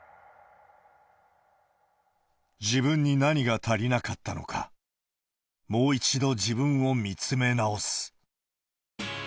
自分に何が足りなかったのか、もう一度自分を見つめ直す。